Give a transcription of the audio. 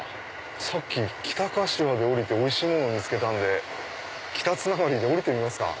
さっき北柏で降りておいしいもの見つけたんで「北」つながりで降りてみますか。